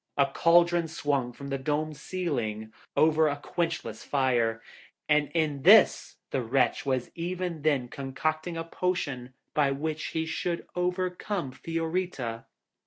A cauldron swung from the domed ceiling, over a quenchless fire, and in this the wretch was even then concocting a potion by which he should overcome Fiorita.